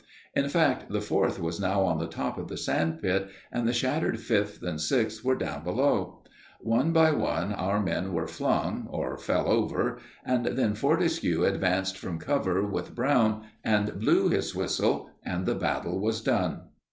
In fact, the Fourth was now on the top of the sand pit and the shattered Fifth and Sixth were down below. One by one our men were flung, or fell, over, and then Fortescue advanced from cover with Brown and blew his whistle, and the battle was done.